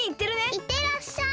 いってらっしゃい！